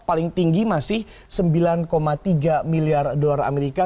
paling tinggi masih sembilan tiga miliar dolar amerika